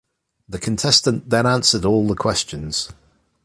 The contestant then answered all the questions.